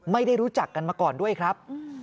ไม่ได้รู้จักกันมาก่อนด้วยครับ